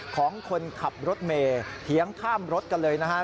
ของคนขับรถเมย์เถียงข้ามรถกันเลยนะฮะ